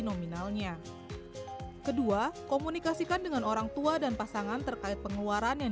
nominalnya kedua komunikasikan dengan orang tua dan pasangan terkait pengeluaran yang